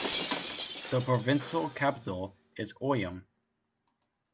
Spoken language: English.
The provincial capital is Oyem.